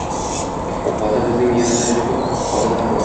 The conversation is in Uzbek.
Hozir bizning miyamizda juda ko’p odatlar bor